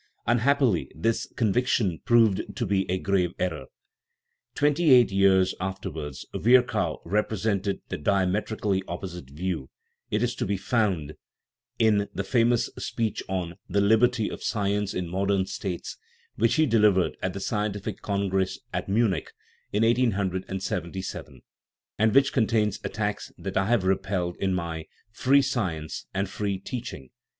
Unhappily, this " conviction " proved to be a grave error. Twenty eight years afterwards Virchow represented the diametrically opposite view ; it is to be found in the famous speech on " The Liberty of Science in Modern States/' which he delivered at the Scientific Congress at Munich in 1877, and which con tains attacks that 1 have repelled in my Free Science and Free Teaching (1878).